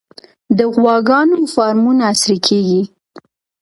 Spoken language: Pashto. د غواګانو فارمونه عصري کیږي